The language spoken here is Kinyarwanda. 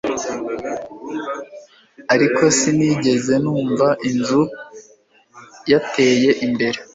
Ariko sinigeze numva inzu yateye imbere